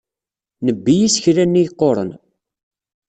Nebbi isekla-nni yeqquren.